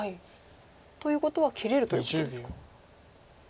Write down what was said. ということは切れるということですか。